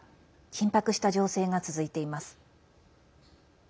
緊迫した情勢が続いています。